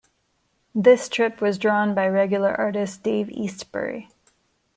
This strip was drawn by regular artist Dave Eastbury.